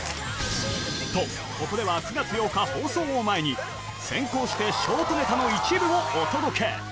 と、ここでは９月８日放送を前に、先行してショートネタの一部をお届け。